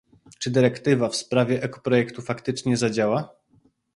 czy dyrektywa w sprawie ekoprojektu faktycznie zadziała?